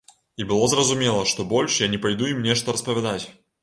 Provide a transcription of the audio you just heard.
І было зразумела, што больш я не пайду ім нешта распавядаць.